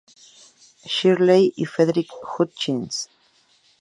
Shirley, y Frederick Hutchins.